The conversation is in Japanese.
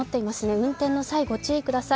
運転の際、御注意ください。